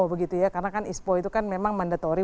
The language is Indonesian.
begitu ya karena kan ispo itu kan memang mandatory